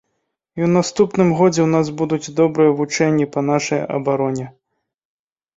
І ў наступным годзе ў нас будуць добрыя вучэнні па нашай абароне.